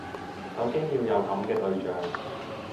首先要有噉嘅對象